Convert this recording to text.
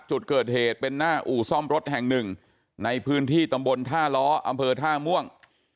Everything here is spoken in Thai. จุดเกิดเหตุเป็นหน้าอู่ซ่อมรถแห่งหนึ่งในพื้นที่ตำบลท่าล้ออำเภอท่าม่วง